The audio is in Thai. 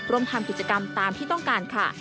ทำกิจกรรมตามที่ต้องการค่ะ